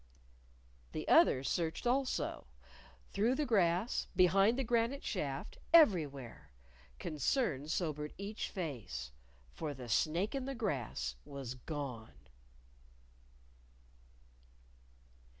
The others searched also through the grass, behind the granite shift, everywhere. Concern sobered each face. For the snake in the grass was gone!